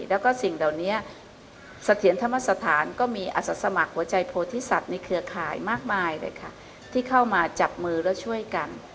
แล้วก็สิ่งเหล่านี้เสถียรธรรมสถานก็มีอาสาสมัครหัวใจโพธิสัตว์ในเครือข่ายมากมายเลยค่ะที่เข้ามาจับมือแล้วช่วยกัน